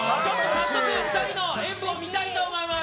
早速２人の演舞を見たいと思います。